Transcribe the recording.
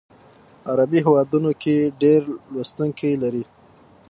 عربي هیوادونو کې ډیر لوستونکي لري.